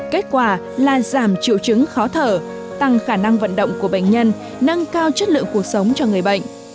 kết quả là giảm triệu chứng khó thở tăng khả năng vận động của bệnh nhân nâng cao chất lượng cuộc sống cho người bệnh